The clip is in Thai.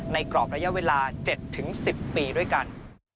กรอบระยะเวลา๗๑๐ปีด้วยกัน